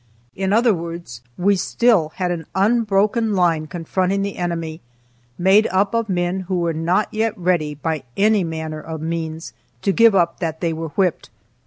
In other words, we still had an unbroken line confronting the enemy, made up of men who were not yet ready, by any manner of means, to give up that they were whipped.